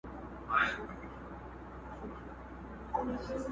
په للو دي هره شپه يم زنگولى!.